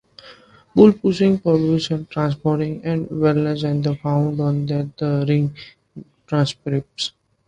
Bull plugs, pressure transducers and valves are found on the rig standpipe.